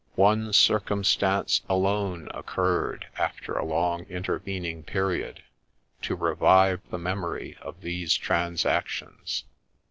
One circumstance alone occurred, after a long intervening period, to revive the memory of these transactions.